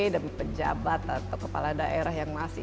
demi pejabat atau kepala daerah yang masih